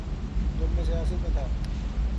جب میں سیاست میں تھا۔